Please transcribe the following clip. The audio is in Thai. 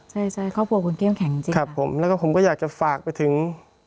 ใช่ใช่ครอบครัวคุณเข้มแข็งจริงครับผมแล้วก็ผมก็อยากจะฝากไปถึง